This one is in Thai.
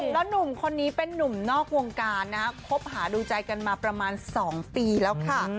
แล้วหนุ่มคนนี้เป็นนุ่มนอกวงการนะคะคบหาดูใจกันมาประมาณ๒ปีแล้วค่ะ